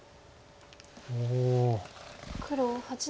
おお。